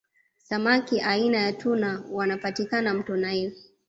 samaki aina ya tuna wanapatikana mto naili